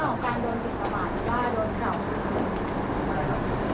เอาเป็นพลาดผมก็ข่าวเยอะอันนี้ไม่จริงนะครับ